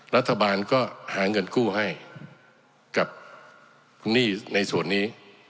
รัฐบาลก็หาเงินกู้ให้กับหนี้ในส่วนนี้